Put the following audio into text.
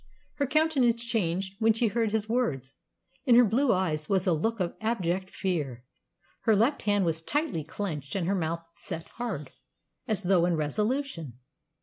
Her countenance changed when she heard his words. In her blue eyes was a look of abject fear. Her left hand was tightly clenched and her mouth set hard, as though in resolution.